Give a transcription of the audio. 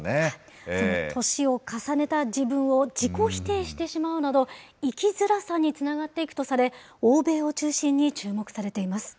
その年を重ねた自分を自己否定してしまうなど、生きづらさにつながっていくとされ、欧米を中心に注目されています。